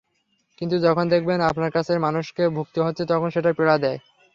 কিন্তু যখন দেখবেন আপনার কাছের মানুষকে ভুগতে হচ্ছে, তখন সেটা পীড়া দেয়।